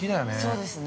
◆そうですね。